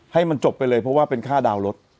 ให้มันจบไปเลยเพราะว่าเป็นค่าดาวนรถ